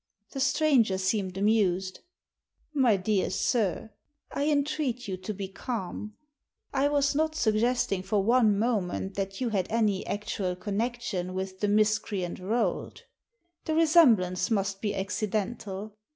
The stranger seemed amused. "My dear sir! I entreat you to be calm. I was not suggesting for one moment that you had any actual connection with the miscreant Rolt The resemblance must be accidental.